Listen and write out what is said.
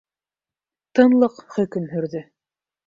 Тынлыҡ хөкөм һөрҙө.